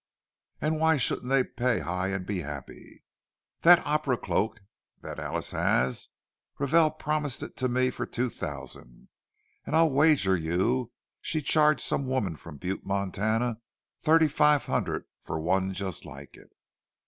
And why shouldn't they pay high and be happy? That opera cloak that Alice has—Réval promised it to me for two thousand, and I'll wager you she'd charge some woman from Butte, Montana, thirty five hundred for one just like it."